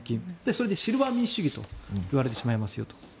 それでシルバー民主主義といわれてしまいますよと。